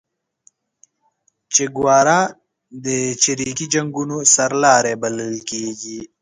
چیګوارا د چریکي جنګونو سرلاری بللل کیږي